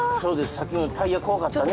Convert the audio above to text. さっきのタイヤ怖かったね